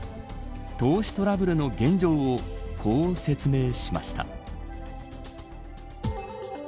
投資トラブルの現状をこう説明しました。